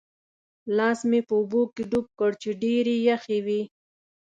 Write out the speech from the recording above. لاس مې په اوبو کې ډوب کړ چې ډېرې یخې وې.